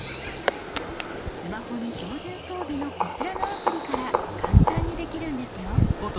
スマホに標準装備のこちらのアプリから簡単にできるんですよ。